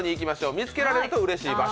見つけられるとうれしい場所。